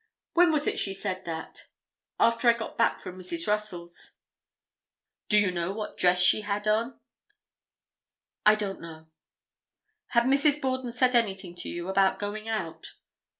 "When was it she said that?" "After I got back from Mrs. Russell's." "Do you know what dress she had on?" "I don't know." "Had Mrs. Borden said anything to you about going out?"